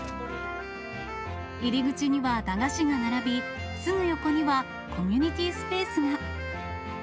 入り口には駄菓子が並び、すぐ横にはコミュニティスペースが。